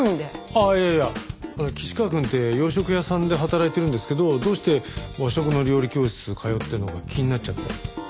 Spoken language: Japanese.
ああいやいや岸川くんって洋食屋さんで働いてるんですけどどうして和食の料理教室通ってるのか気になっちゃって。